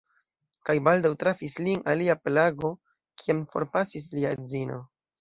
Kaj baldaŭ trafis lin alia plago, kiam forpasis lia edzino.